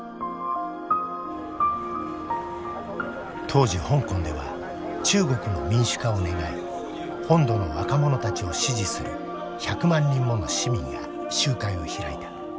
当時香港では中国の民主化を願い本土の若者たちを支持する１００万人もの市民が集会を開いた。